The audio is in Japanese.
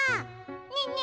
ねえねえ